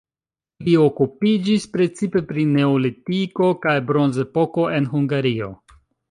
Li okupiĝis precipe pri neolitiko kaj bronzepoko en Hungario.